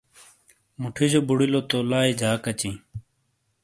مُوٹھِیجو بُڑِیلو تو لائی جاک اَچئیں۔